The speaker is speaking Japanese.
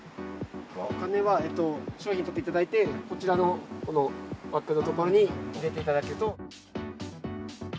お金は商品を取っていただいて、こちらのこの枠の所に入れていただくと。